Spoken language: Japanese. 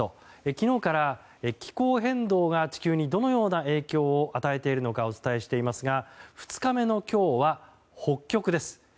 昨日から気候変動が地球にどのような影響を与えているのかをお伝えしていますが２日目の今日は北極です。